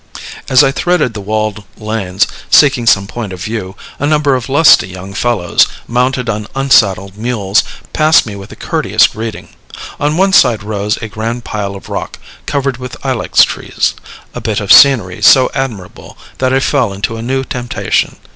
As I threaded the walled lanes, seeking some point of view, a number of lusty young fellows, mounted on unsaddled mules, passed me with a courteous greeting. On one side rose a grand pile of rock, covered with ilex trees, a bit of scenery so admirable, that I fell into a new temptation.